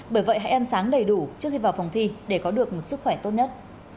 bởi vậy hãy ăn sáng đầy đủ trước khi vào phòng thi để có được một sức khỏe tốt nhất